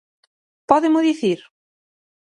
¿Pódemo dicir?